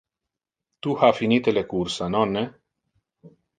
Tu ha finite le cursa, nonne?